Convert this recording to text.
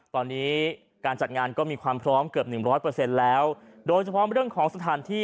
ตอนนี้การจัดงานก็มีความพร้อมเกือบหนึ่งร้อยเปอร์เซ็นต์แล้วโดยเฉพาะเรื่องของสถานที่